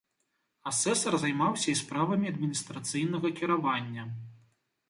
Асэсар займаўся і справамі адміністрацыйнага кіравання.